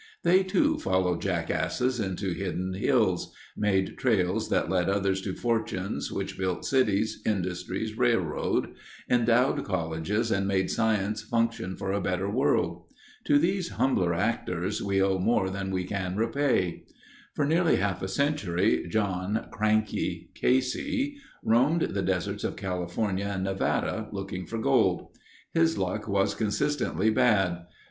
They too followed jackasses into hidden hills; made trails that led others to fortunes which built cities, industries, railroad; endowed colleges and made science function for a better world. To these humbler actors we owe more than we can repay. For nearly half a century John (Cranky) Casey roamed the deserts of California and Nevada looking for gold. His luck was consistently bad.